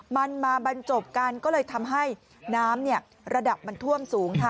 มันมาบรรจบกันก็เลยทำให้น้ำระดับมันท่วมสูงค่ะ